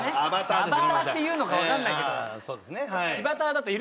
アバターっていうのかわかんないけど。